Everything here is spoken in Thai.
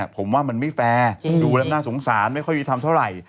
ผมว่ามันแฟร์ด้วยมันดูแล้วน่าสงสารไม่ค่อยได้ทำเท่าไหร่